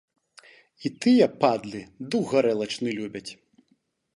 І тыя, падлы, дух гарэлачны любяць.